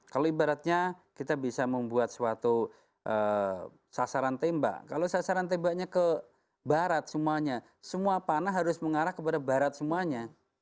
kalau ibaratnya kita bisa membuat suatu sasaran tembak kalau sasaran tembaknya ke barat semuanya semua panah harus mengarah kepada barat semuanya